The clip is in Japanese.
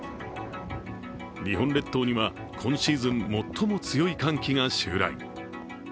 日本列島には、今シーズン最も強い寒気が襲来。